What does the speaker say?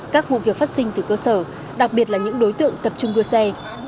các vụ việc phát sinh từ cơ sở đặc biệt là những đối tượng tập trung đua xe